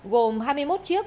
gồm hai mươi một chiếc